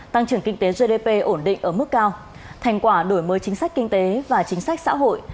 tăng trưởng kinh tế gdp ổn định ở mức cao thành quả đổi mới chính sách kinh tế và chính sách xã hội